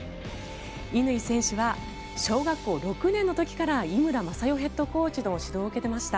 乾選手は小学校６年の時から井村雅代ヘッドコーチの指導を受けていました。